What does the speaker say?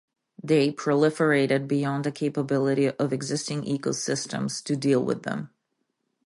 They proliferated beyond the capability of existing ecosystems to deal with them.